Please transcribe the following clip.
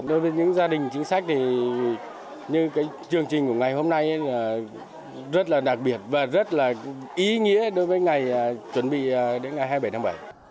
đối với những gia đình chính sách thì như chương trình của ngày hôm nay rất là đặc biệt và rất là ý nghĩa đối với ngày chuẩn bị đến ngày hai mươi bảy tháng bảy